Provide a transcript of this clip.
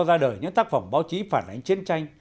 ra đời những tác phẩm báo chí phản ánh chiến tranh